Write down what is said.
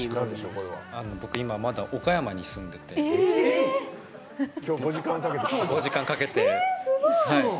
僕、まだ今、岡山に住んでて。今日５時間かけてきた。